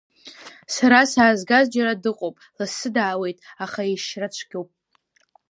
Сара саазгаз џьара дыҟоуп, лассы даауеит, аха ишьра цәгьоуп.